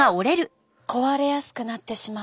壊れやすくなってしまう。